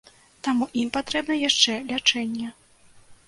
Таму ім патрэбна яшчэ лячэнне.